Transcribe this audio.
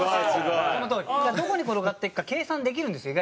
どこに転がっていくか計算できるんですよ